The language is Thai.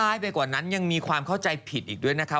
ไปกว่านั้นยังมีความเข้าใจผิดอีกด้วยนะคะ